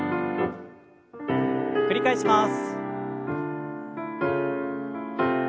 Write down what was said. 繰り返します。